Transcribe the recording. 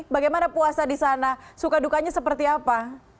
bagaimana puasa di sana suka dukanya seperti apa